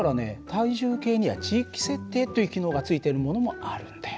体重計には地域設定という機能がついてるものもあるんだよ。